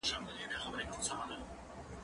زه له سهاره واښه راوړم!؟